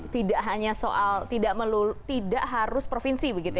tidak hanya soal tidak harus provinsi begitu ya